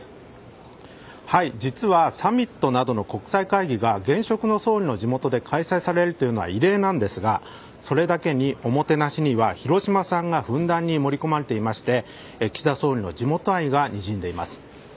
実はサミットなどの国際会議が現職の総理の地元で開催されるのは異例なんですがそれだけに、おもてなしには広島産がふんだんに盛り込まれていまして岸田総理の地元愛がにじんでいます。